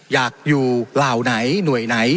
อยากอยู่เหล่าไหนหน่วยไหน